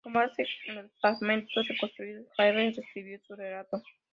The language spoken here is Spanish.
Con base en los fragmentos reconstruidos Gerlach reescribió su relato.